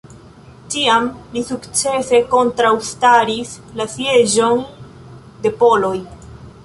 Tiam li sukcese kontraŭstaris la sieĝon de poloj.